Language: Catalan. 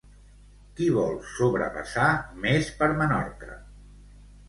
Qui vol sobrepassar Més per Menorca?